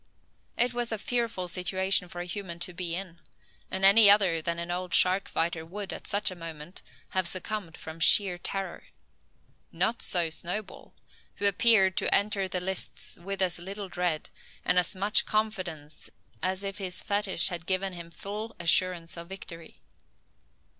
It was a fearful situation for a human being to be in; and any other than an old shark fighter would, at such a moment, have succumbed from sheer terror. Not so Snowball, who appeared to enter the lists with as little dread and as much confidence as if his fetisch had given him full assurance of victory.